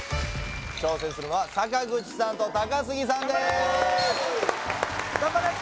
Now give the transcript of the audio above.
挑戦するのは坂口さんと高杉さんです・